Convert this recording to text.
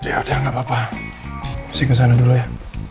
yaudah gakpapa mesti kesana dulu ya